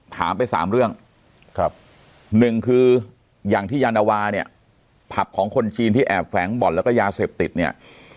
ถามไปสามเรื่องครับหนึ่งคืออย่างที่ยานวาเนี่ยผับของคนจีนที่แอบแฝงบ่อนแล้วก็ยาเสพติดเนี่ย